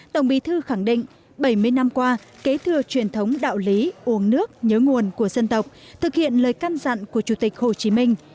tổng bí thư khẳng định bảy mươi năm qua kế thừa truyền thống đạo lý uống nước nhớ nguồn của dân tộc thực hiện lời căn dặn của chủ tịch hồ chí minh